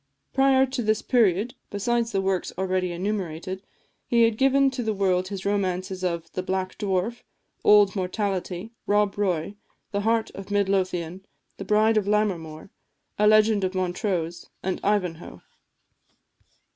Prior to this period, besides the works already enumerated, he had given to the world his romances of "The Black Dwarf," "Old Mortality," "Rob Roy," "The Heart of Midlothian," "The Bride of Lammermoor," "A Legend of Montrose," and "Ivanhoe."